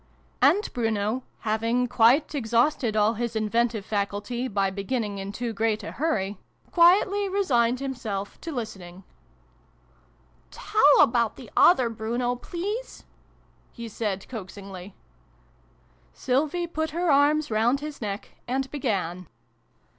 And Bruno, having quite exhausted all his inventive faculty, by beginning in too great a hurry, quietly resigned himself to listening. " Tell about the other Bruno, please," he said coaxingly. Sylvie put her arms round his neck, and began : 214 SYLVIE AND BRUNO CONCLUDED.